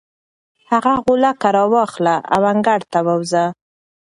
هغه غولکه راواخله او انګړ ته ووځه.